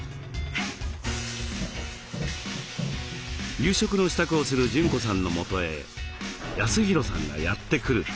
夕食の支度をする淳子さんのもとへ恭弘さんがやって来ると。